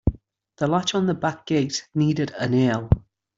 The latch on the back gate needed a nail.